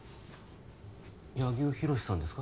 柳生博さんですか？